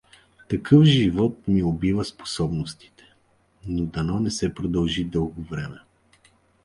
Такъв живот ми убива способностите, но дано не се продължи дълго време.